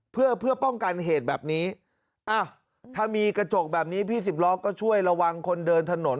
เพื่อเพื่อป้องกันเหตุแบบนี้อ้าวถ้ามีกระจกแบบนี้พี่สิบล้อก็ช่วยระวังคนเดินถนน